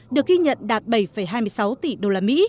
được ghi nhận đạt bảy hai mươi sáu tỷ usd